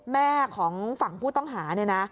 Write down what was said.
แม่ของฝั่งผู้ต้องหาเนี่ยนะ